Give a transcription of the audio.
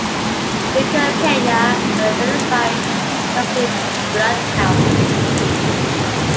Leukopenia can be identified with a complete blood count.